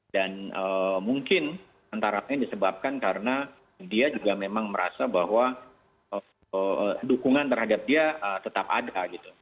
dan mungkin antara lain disebabkan karena dia juga memang merasa bahwa dukungan terhadap dia tetap ada